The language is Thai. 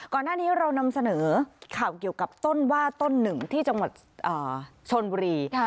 ก่อนหน้านี้เรานำเสนอข่าวเกี่ยวกับต้นว่าต้นหนึ่งที่จังหวัดชนบุรี